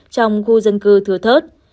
trong khu dân cư thừa thớt